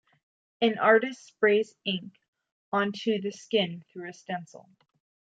An artist sprays ink onto the skin through a stencil.